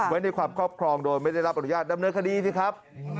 ไว้ในความครอบครองโดยไม่ได้รับอนุญาตดำเนินคดีสิครับ